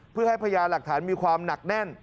เพื่อให้พญาหลักฐานมีความหนักแน่น